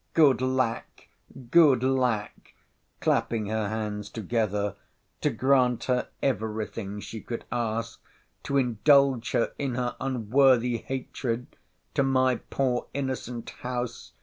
—Good lack!—Good lack! clapping her hands together, to grant her every thing she could ask—to indulge her in her unworthy hatred to my poor innocent house!